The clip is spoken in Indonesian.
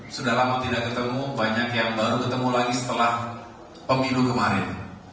sudah lama tidak ketemu banyak yang baru ketemu lagi setelah pemilu kemarin